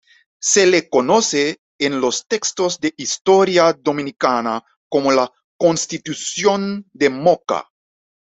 Se le conoce en los textos de historia dominicana como la "Constitución de Moca".